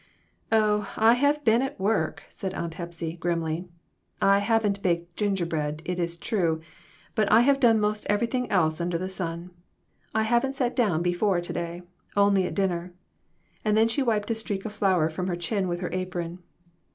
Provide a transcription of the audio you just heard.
" Oh, I've been at work," said Aunt Hepsy, grimly. "I haven't baked gingerbread, it is true; but I have done most everything else under the sun. I haven't sat down before to day, only at dinner." And she wiped a streak of flour from her chin with her apron.